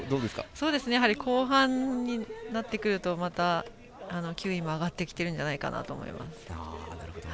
やはり後半になってくるとまた、球威も上がってきているんじゃないかなと思います。